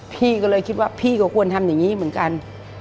พี่ก็เลยคิดว่าพี่ก็ควรทำอย่างนี้เหมือนกัน